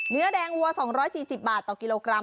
เนื้อแดงวัว๒๔๐บาทต่อกิโลกรัม